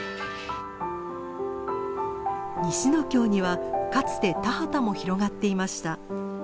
西ノ京にはかつて田畑も広がっていました。